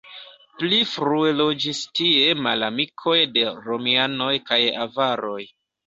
Pli frue loĝis tie malamikoj de romianoj kaj avaroj.